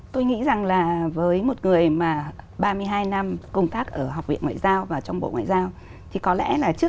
tôi nghĩ rằng là với một người mà ba mươi hai năm công tác ở học viện ngoại giao và trong bộ ngoại giao